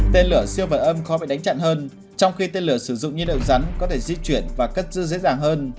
tên lửa siêu vật âm khó bị đánh chặn hơn trong khi tên lửa sử dụng nhiên hiệu rắn có thể di chuyển và cất dư dễ dàng hơn